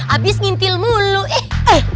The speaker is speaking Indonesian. abis ngintil mulu eh eh eh